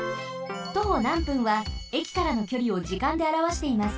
徒歩なん分は駅からのきょりを時間であらわしています。